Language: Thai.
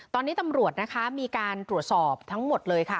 ตอนนี้ตำรวจนะคะมีการตรวจสอบทั้งหมดเลยค่ะ